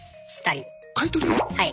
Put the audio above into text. はい。